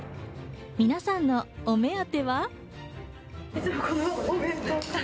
皆さんのお目当ては。